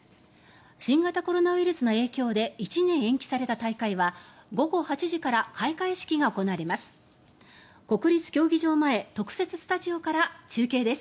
新型コロナウイルスの影響で１年延期された大会は午後８時から開会式が行われます。